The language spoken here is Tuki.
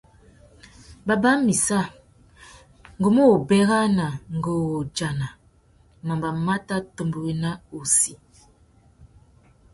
Baba, mitsa, ngu mù wô bérana ngu wô udjana mamba mà tà atumbéwena wussi.